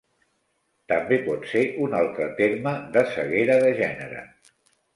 També pot ser un altre terme de ceguera de gènere.